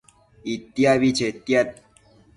Itiabi chetiad